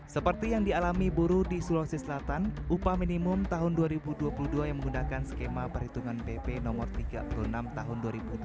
seperti yang dialami buruh di sulawesi selatan upah minimum tahun dua ribu dua puluh dua yang menggunakan skema perhitungan bp no tiga puluh enam tahun dua ribu dua puluh